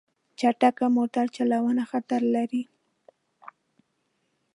چټک موټر چلوونه خطر لري.